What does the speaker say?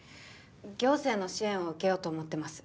行政の支援を受けようと思ってます